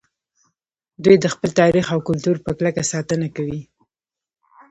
دوی د خپل تاریخ او کلتور په کلکه ساتنه کوي